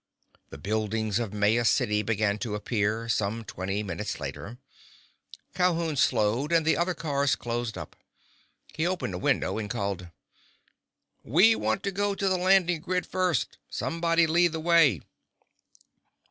The buildings of Maya City began to appear, some twenty minutes later. Calhoun slowed and the other cars closed up. He opened a window and called: "We want to go to the landing grid first. Somebody lead the way!"